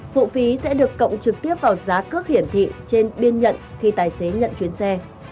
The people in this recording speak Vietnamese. phụ phí sẽ được cộng trực tiếp vào giá cước hiển thị trên biên nhận khi tài xế nhận chuyến xe